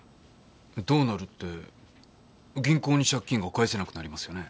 どうなるって銀行に借金が返せなくなりますよね。